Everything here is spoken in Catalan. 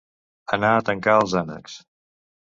Anar a tancar els ànecs.